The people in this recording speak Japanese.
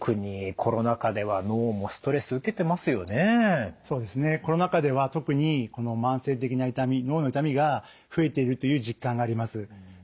コロナ禍では特に慢性的な痛み脳の痛みが増えているという実感があります。